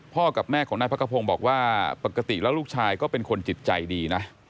กับแม่ของนายพักกระพงศ์บอกว่าปกติแล้วลูกชายก็เป็นคนจิตใจดีนะ